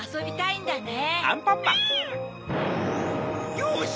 よし！